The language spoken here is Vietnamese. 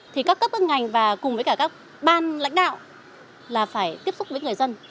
thì các cấp ước ngành và cùng với các ban lãnh đạo là phải tiếp xúc với người dân